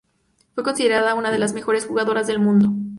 Fue considerada una de las mejores jugadoras del mundo.